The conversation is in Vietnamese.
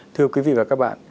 thưa quý vị và các bạn